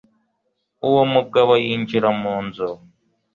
uwo mugabo yinjira mu nzu